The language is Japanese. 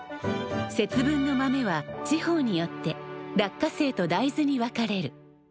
節分の豆は地方によって落花生と大豆に分かれる。